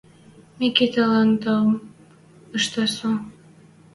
Микитӓлӓн таум ӹштӓт со.